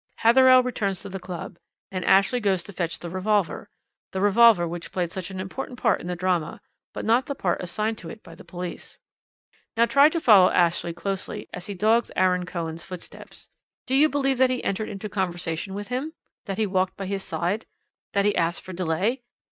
Hatherell returns to the club, and Ashley goes to fetch the revolver the revolver which played such an important part in the drama, but not the part assigned to it by the police. Now try to follow Ashley closely, as he dogs Aaron Cohen's footsteps. Do you believe that he entered into conversation with him? That he walked by his side? That he asked for delay?